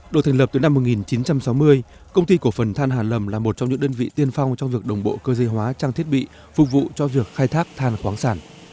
được thành lập từ năm một nghìn chín trăm sáu mươi công ty cổ phần than hà lầm là một trong những đơn vị tiên phong trong việc đồng bộ cơ dây hóa trang thiết bị phục vụ cho việc khai thác than khoáng sản